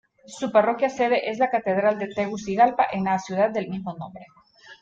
Su parroquia sede es la Catedral de Tegucigalpa en la ciudad del mismo nombre.